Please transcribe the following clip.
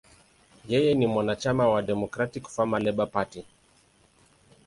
Yeye ni mwanachama wa Democratic–Farmer–Labor Party.